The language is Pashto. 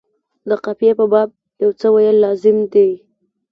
د قافیې په باب یو څه ویل لازم دي.